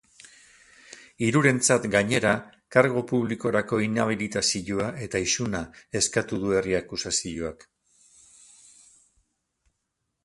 Hirurentzat, gainera, kargu publikorako inhabilitazioa eta isuna eskatu du herri-akusazioak.